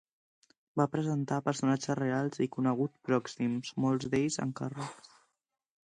Va representar a personatges reals i coneguts pròxims, molts d'ells encàrrecs.